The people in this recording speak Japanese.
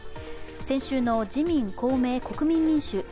先週の自民・公明・国民民主